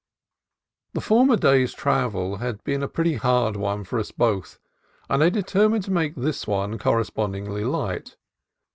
The former day's travel had been a pretty hard one for us both, and I determined to make this one correspondingly light.